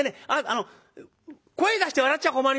あの声出して笑っちゃ困りますよ。